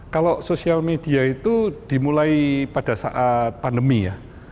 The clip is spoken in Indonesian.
kalau sosial media itu dimulai pada saat pandemi ya